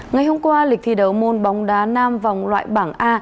ngày hôm qua lịch thi đấu môn bóng đá nam vòng loại bảng a